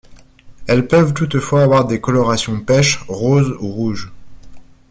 Elles peuvent toutefois avoir des colorations pêche, rose ou rouge.